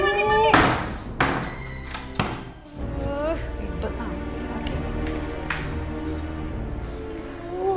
ribut nanti lagi